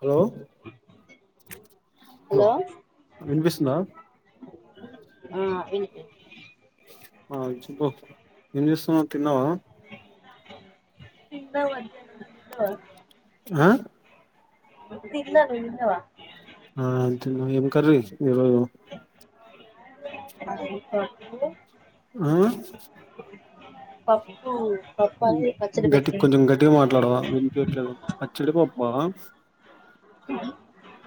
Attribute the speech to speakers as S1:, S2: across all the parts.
S1: Hello hello విన్పిస్తుందా.
S2: ఆ వినిపి
S1: ఆ చెప్పు ఏం జేస్తున్నావ్ తిన్నవా.
S2: తిన్నా మధ్యానం నువు తిన్నవా.
S1: ఆ
S2: తిన్నా నువ్వు తిన్నావా.
S1: ఆ తిన్న ఏం కర్రీ చేశిర్రు ఈరోజూ.
S2: [unintelligible]
S1: ఆ
S2: పప్పూ
S1: ఉ గట్టి కొంచెం గట్టిగ మాట్లాడవా వినిపియట్లేదు పచ్చడి పప్పా.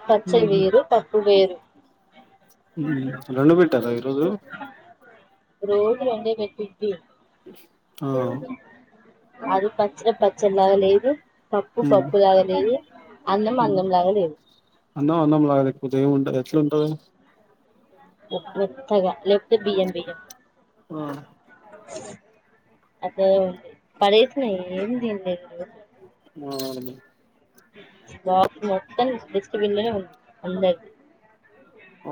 S2: పచ్చడి వేరు పప్పు వేరు.
S1: ఊ రొండు పెట్టారా ఈరోజూ.
S2: రోజు రెండే పెట్టిద్ధి.
S1: ఆ
S2: అది పచ్చడి పచ్చల్లాగ లేదు పప్పు
S1: మ్మ్.
S2: పప్పులాగా లేదూ. అన్నం
S1: మ్మ్.
S2: అన్నంలాగా లేదు.
S1: అన్నం అన్నంలాగా లేకపోతే ఏం ఉంటది ఎట్లుంటది.
S2: ఓ మెత్తగా లేపోతే బియ్యం బియ్యం.
S1: ఆ
S2: అటూ పడేసిన ఏం తిన్లే ఈరోజు.
S1: [unintelligible]
S2: బాక్స్ మొత్తం డస్ట్బిన్లనే ఉంది అందరిదీ.
S1: ఆ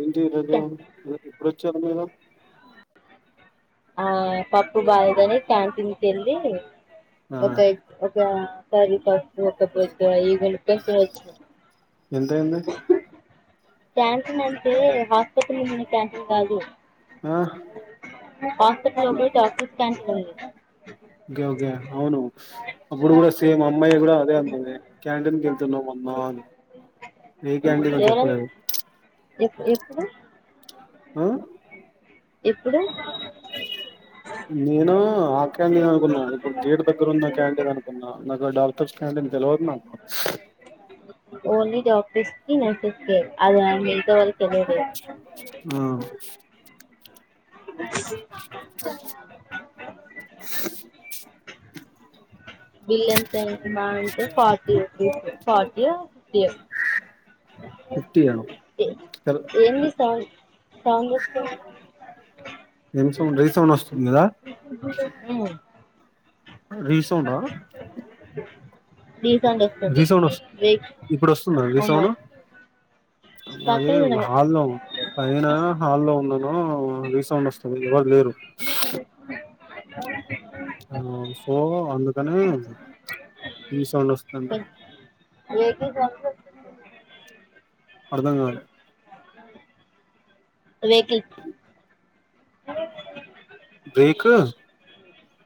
S1: ఏంటీ రోజూ ఎప్పుడొచ్చారు మీరు.
S2: ఆ పప్పు బాలేదని క్యాంటీన్కేళ్ళి
S1: ఆ
S2: ఒక ఒకా కర్రి పప్పూ ఒక [unintelligible] ఇయి కలిపెట్టవచ్చు.
S1: ఎంత అయింది.
S2: క్యాంటీన్ అంటే హాస్పిటల్ల ఉండే క్యాంటీన్ కాదు.
S1: ఆ
S2: [unintelligible]
S1: ఓకే ఓకే అవును అప్పుడు కూడా సేమ్ అమ్మాయి కూడా అదే అన్నది క్యాంటీన్ కెళ్తున్నామూ అన్ బావుంది నీకేంటిను చెప్పలేదు.
S2: ఎక్ ఎక్కడ.
S1: ఆ
S2: ఇప్పుడు
S1: నేను ఆ క్యాంటీన్ అనుకున్నా ఇప్పుడు గేట్ దగ్గర ఉన్న క్యాంటీన్ అనుకున్నా నాకు డాక్టర్స్ క్యాంటీ అని తెలవదు నాకు
S2: ఓన్లీ డాక్టర్స్ కి నర్సస్ కి అది మిగతా వాళ్ళకి తెలీదు
S1: ఆ
S2: [unintelligible] బెల్లంతయింది అంటే మహా ఫోర్ట్ ఒ ఫిఫ్టీ ఒ
S1: ఫిఫ్టీ యా
S2: ఏం చేస్తున్నావ్ సాంగ్ పెట్టుకొని
S1: ఏం సౌండ్ రీ సౌండ్ వస్తుంది కదా
S2: ఉ
S1: రిసౌండ
S2: ఢీ సౌండ్ వస్తుంది
S1: రీ సౌండ్
S2: వెహిక్
S1: ఇప్పుడు వస్తుందా
S2: అవును
S1: రీసౌండ్ అదే
S2: పక్కన
S1: హాల్లో పైన హాల్లో ఉన్న రీసౌండ్ వస్తుంది ఎవరు లేరు ఆ సో అందుకనే రీ సౌండ్ వస్తుంది
S2: లేకి సమ్స్
S1: అర్థం కాలే
S2: బ్రేకింగ్
S1: బ్రేక్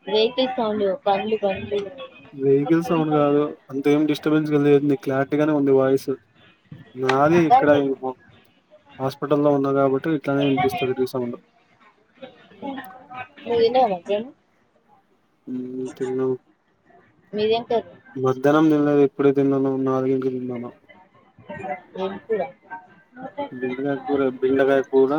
S2: బ్రేకింగ్ సౌండ్ తం కందు క
S1: బ్రేకింగ్ సౌండ్ కాదు అంత ఏం డిస్టర్బెన్స్ కలింది క్లారిటీగానే ఉంది వాయిస్ నాది ఇక్కడ
S2: కానీ
S1: ఏమో హాస్పిటల్లో ఉన్న కాబట్టి ఇట్లానే వినిపిస్తుంది రి సౌండ్
S2: నువ్వు తిన్నావా మధ్యాహ్నం
S1: ఉ తిన్నా
S2: మీదేం కర్రీ
S1: మధ్యాహ్నం తినలేదు ఎప్పుడు తిన్నాను నాన్నంటే బావ
S2: ఆ
S1: గుండెకాయ కూర బెండకాయ కూర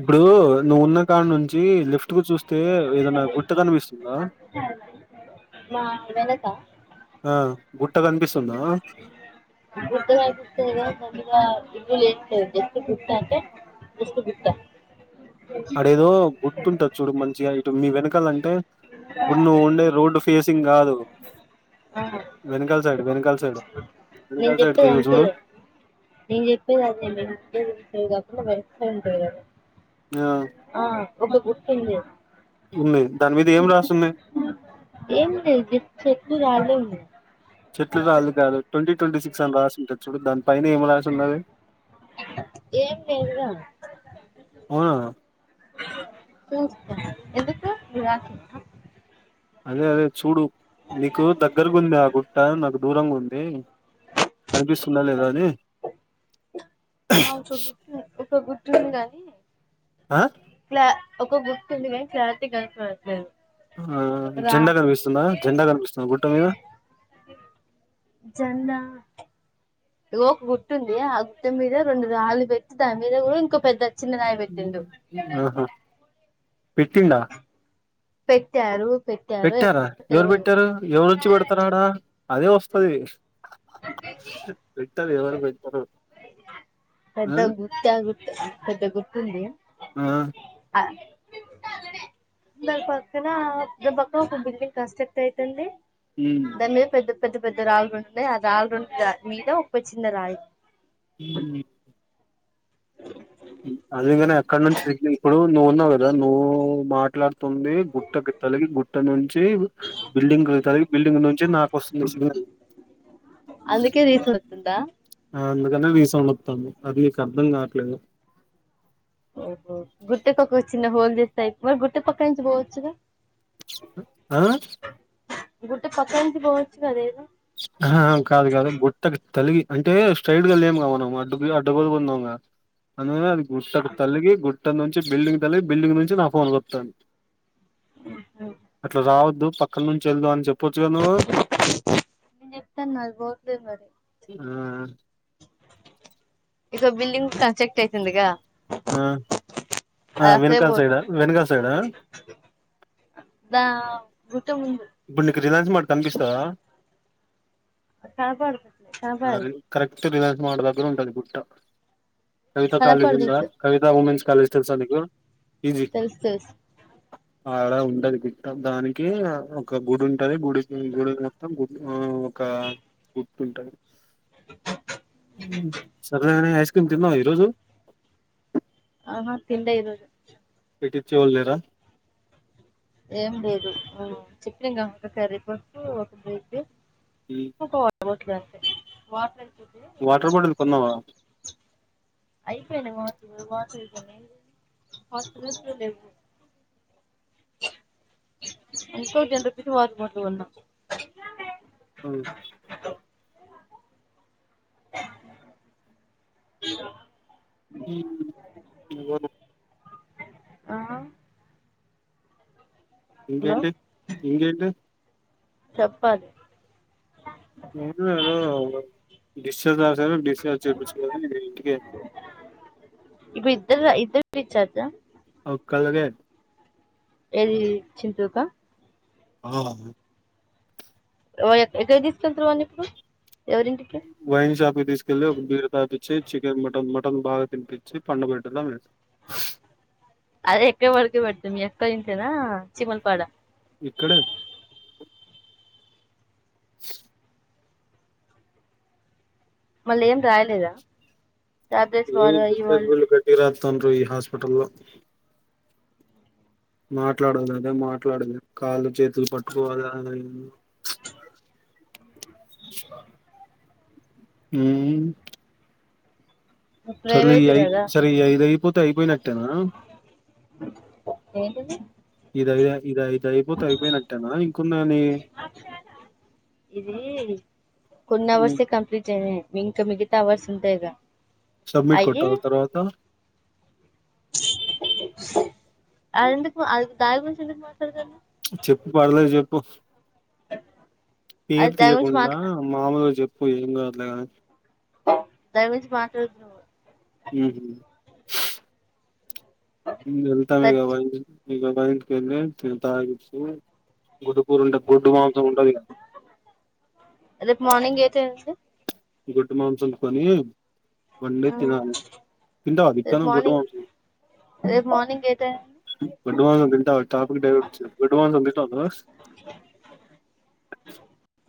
S1: ఇప్పుడు నువ్వున్న కాడి నుంచి లెఫ్ట్ కు చూస్త అయితే ఏదైనా గుట్ట కనిపిస్తుందా
S2: ఆ వెనక
S1: ట్ట కనిపిస్తుందా
S2: ఫుడ్డు కనిపిస్తుంది కానీ దానిమీద ఏమీ లేదు ఎస్ బిట్ట
S1: అడేదో గుట్టుంట చూడు మంచిగా ఇటు మీ వెనకాల అంటే ఇప్పుడు నువ్వు ఉండే రోడ్డు ఫేసింగ్ కాదు
S2: ఆ
S1: వెనకాల్‌ సైడ్ వెనకాల్‌ సైడ్
S2: నేన్
S1: వెనకాల సైడ్ తిరుగు
S2: చేపెదంతే
S1: చూడు
S2: నేన్ చెప్పేది నా బెస్ట్ ఫ్రెండ్స్ కదా
S1: న్యా
S2: ఆ ఒక గుర్తు ఉంది
S1: దాని మీద ఏం రాసున్నాయి
S2: ఏం లే చెక్కు రాలే
S1: చెట్లు రాదు కాదు ట్వంటీ ట్వంటీ సిక్స్ అని రాసింటే చూడు దానికి పైనాపిల్ ఏం రాసి ఉన్నది
S2: ఏం లేదుగా
S1: ఆ
S2: చూస్తా ఎందుకు విరా
S1: అదే అదే చూడు నీకు దగ్గరగా ఉంది ఆ గుట్ట నాకు దూరంగా ఉంది కనిపిస్తుందా లేదా అని
S2: ఆ ఒక చోట ఒక గుతు గానీ
S1: ఆ
S2: ఇలా ఒక గుర్తుంది కానీ క్లారిటీగా కనపడట్లేదు
S1: ఆ
S2: రా
S1: జెండా కనిపిస్తుందా జెండా కనిపిస్తుంద గుట్ట మీద
S2: జన్మ ఇది ఒక గుట్టు ఉంది ఆ గుట్ట మీద రెండు ఆళ్లుు పెట్టి దాని మీద కూడా ఇంకో పెద్ద చిన్న రాయి పెట్టిండు
S1: పెట్టిడా
S2: పెట్టారు పెట్టారు
S1: పెట్టారా
S2: ఎట్లుందో
S1: ఎవరు
S2: తెలవదు
S1: పెట్టారు ఎవరుంచి పెడతారడా అదే వస్తుది పీటర్ ఎవరు పేరు
S2: పెద్ద గుర్త పెద్ద గుర్తుంది
S1: ఆ
S2: దర్ పక్కన దర్ పక్క ఒకకు బిల్డింగ్ కష్టక్తా తండి
S1: ఉమ్
S2: దాని మీద పెద్ద పెద్ద పెద్ద రాళ్ళుంటుయి ఆ రాళ్ం మీద ఓ చిన్న రాయి
S1: హ అది ఎక్కడ వంచి ఇప్పుడు నువుమాట్లాడు గుట్టకి తల్గి గుట్ట నుంచి బిల్డింగ్ తగిలి బిల్డింగ్ నుంచి నాకు వస్తుంది
S2: అందుకే రే సౌండ్
S1: ఆ, అందుకనే రెసౌండ్ అది నీకు అర్ధం కావట్లేదు
S2: ఓహో చిన్న హోల్ చేస్తాయి మరి గుర్తు పక్క నుంచి పోవచ్చుదా
S1: ఆ
S2: గుట్ట పక్క నుంచి పోవచ్చు గా
S1: ఆహా కాదు కాదు గుట్టకి తలిగి అంటే స్ట్రైట్ గా లేముగా మనం అడ్ అడ్డగలుకుందాం అందు అది గుట్టకు తల్లిగి గు నుంచి బిల్డింగ్ తలిగి బిల్డింగ్ నుంచి నా ఫోన్ అట్లా రావద్దు పక్కన నుంచి వెళ్దుా అని చెప్పొచ్చు క నువ్వు
S2: నేను చెపితే వినదు
S1: ఆ
S2: ఇక బిల్డింగ్ కన్స్ట్రక్ట్ అయితుందిగా
S1: ఆ ఆ
S2: అది అసలే
S1: వెనకాల సైడ్
S2: పోవట్లేదు
S1: వెనకల్ సైడ్
S2: అదా
S1: గుండకి రిలాన్స్ మార్ట్ కనిపిస్తా
S2: చాపాడుకు చపాదు
S1: కరెక్ట్ ఉంటది గుట్ట కవిత కాలేజీ
S2: కనపడదు ఇటు
S1: కవిత ఉమెన్స్ తెలుసా మీకు
S2: తెలుసు తెలుసు
S1: అడ ఉండది గుట్టదానికి ఒక గుడి ఉంటుది గుడి గుడి మొత్తం గు ఒక గుతు ఉంటుది సరే కానీ ఐస్ క్రీమ్ తినవా ఈరోజు
S2: ఆహా తినాలా ఈరోజు
S1: చూడ
S2: ఏం లేదు చెప్పిన కర్రీ పప్పు ఒక బేగ స్ వా
S1: వాటర్ బాటిల్ కొనవ
S2: అయిపోయిన బాటిల్ ఇంకో టెన్ రూపెస్ వాటర్ బాటిల్ కొన
S1: అవు హ్మ్మ్
S2: ఆ
S1: ఇంకేంట ఇకేే
S2: చపాతి
S1: అద డిశ్చార్జ్
S2: ఇ ఇద్దర డిశ్చార్జ్
S1: ఒకరిలోనే
S2: ఏది చింత [inaudible]
S1: ఆ
S2: ఎక్కడికి తీసుకెళ్తునావు వాడిని ఇప్పుడు ఎవరింటి
S1: వైన్షాప్ తీసుకెళ్లి ఒక బీరు తాపచ్చి చికెన్ మటన్ మటన్ బాగా తినిపించి పండ పెట్టడమే
S2: అదే ఎక్క వరక పడతు మీ ఎక్క తంతేనా చిమల్పాడ [inaudible]
S1: ఇక్కడే
S2: మళ్ళీ ఏం రాయలేదా టాబ్లెట్స్
S1: ఈ
S2: వాడు అయి
S1: బిజ్
S2: వాడు
S1: బిల్ కట్టిగా రాస్తాడు ఈ హాస్పిటల్ లో మాట్లాడాలి అదే మాట్లాడలే కాళ్ళు చేతులు పట్టుకోవాలి హ సరేలే ఈ
S2: ప్రైవేట్
S1: అఐ
S2: కదా
S1: సరే ఈ ఐద అయిపోతే అయిపోయినట్టేనా
S2: ఏంటిది
S1: ఇది ఇది ఇది అయిపోతే అయిపోయినట్టేనా ఇంకున్నాయని
S2: ఇది కొన్ని అవర్స్ కంప్లీట్ అయివి ఇంకా మిగతావి వస్తుంటాయి గా
S1: సబ్మిట్ కొట్టాల తర్వాత
S2: అది ఎందుకు అ దాయ గురించి ఎందుకు మాట్లాడుతున్నారు
S1: చెప్పు పర్లేదు చెప్పు
S2: అది
S1: పేరు
S2: దాని గురించి
S1: తీయకుండా
S2: మాట్లా
S1: మామూలుగా చెప్పు ఏం కాదులే కానీ
S2: దాని గురించి మాట్లాడకు
S1: హ వెళ్తావ ఇ
S2: థట్
S1: వ ఇ బయకి వెళ్ళ తాగిస్తు [inaudible] గుడ్డు కూూరు ఉంట గుడ్డు మాంసం ఉంటది
S2: తెలుసు
S1: గొడ్డు మాంసం తిని వండే
S2: ఆ
S1: తినాల తంటవ
S2: రేపు
S1: గొడ్డు
S2: మార్నింగ్
S1: మాంసం [inaudible]
S2: రేపు మార్నింగ్ ఏ టైం ఉంది?
S1: గొడ్డు మాంసం తింటావా నువ్వు [unintelligible]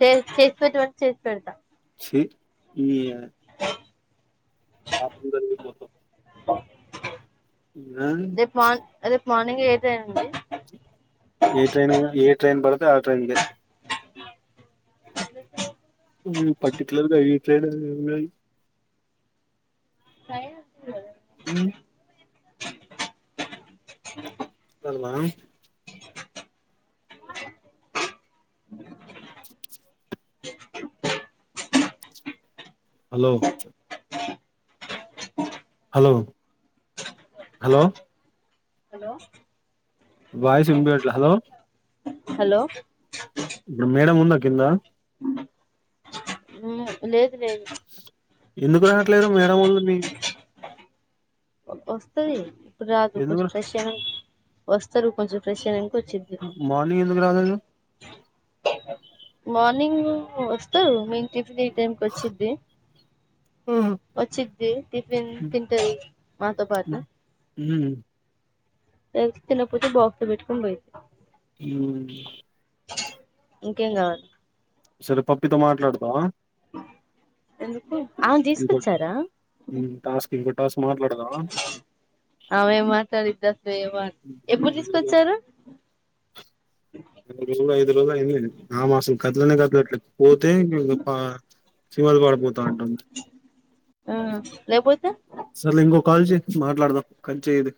S2: చేసి పట్టామంటే చేసి పెడతా
S1: ఈ
S2: ఆ
S1: ఆ సందరగితోతో [unintelligible] [inaudible] ఆ
S2: రేపు మార్ రేపు మార్నింగ్ ఏ టైమ్ అండి
S1: ఏ ట్రైన్ ఏ ట్రైన్ పడితే ఆ ట్రైన్ గ పర్టిక్యులర్ గా ఈ ట్రైన్ అని ఎం లే ఉమ్ చవా hello hello hello
S2: hello
S1: voice వినిపియట్లే
S2: హలో
S1: ఇప్పుడు మేడం ఉందా కింద
S2: లేదు లేదు
S1: ఎందుకు రానట్లేదు మేడం వాళ్ళు మీ
S2: వస్తుంది ఇప్పుడు రాదు
S1: ఎందుకు
S2: కొంచెం
S1: రా
S2: ఫ్రెష్ అయనా వస్తారు కొంచెం ఫ్రెష్ అయనా
S1: మార్నింగ్ ఎందుకు రాలేదు
S2: మార్నింగ్ వస్తారు మేము టిఫిన్ ఈ టైంకి వచ్చిది
S1: ఉమ్
S2: వచ్చది టిఫిన్ తింటాయి మాతో పాటు
S1: హ్మ్
S2: రైస్ తినకపోతే బాక్స్ లో పెట్టుకొని పోయిద్ది
S1: ఉమ్
S2: ఇంకేం కావాలి
S1: సరే పప్పీతో మాట్లాడతావా
S2: ఎందుకు అవును తీసుకొచ్చారా
S1: మాట్లాడవా
S2: అవేం మాట్లాడిద్ద అసలు ఏమ ఎప్పుడు తీసుకొచ్చారు
S1: ఎనిమిది రో ఐదు రోజూలో అయింది ఆమె అసలు కదలనే కదలట్లేదు పోతే పా సీమల పడిపోతా అంటుంది
S2: ఆ లేపోతే
S1: సర్లే ఇంకొక కాల్ చెయ్ మాట్లాడదాం కట్ చెయ్ ఇది